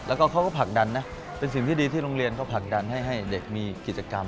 แล้วก็เขาก็ผลักดันนะเป็นสิ่งที่ดีที่โรงเรียนเขาผลักดันให้เด็กมีกิจกรรม